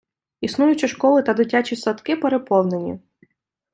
Існуючі школи та дитячі садки переповнені.